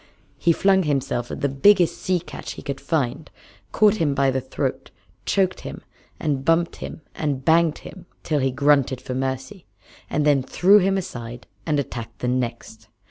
He flung himself at the biggest sea catch he could find, caught him by the throat, choked him and bumped him and banged him till he grunted for mercy, and then threw him aside and attacked the next.